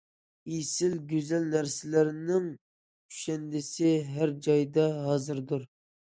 ئېسىل، گۈزەل نەرسىلەرنىڭ كۈشەندىسى ھەر جايدا ھازىردۇر.